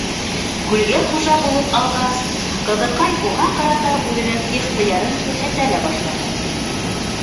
Күлгә хужа булып алғас, ҡыҙыҡай уға ҡарата үҙенең ихтыярын күрһәтә лә башланы.